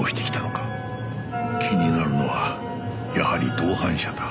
気になるのはやはり同伴者だ